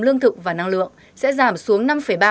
lương thực và năng lượng sẽ giảm xuống